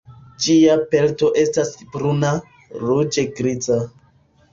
Ĝia pelto estas bruna, ruĝe griza.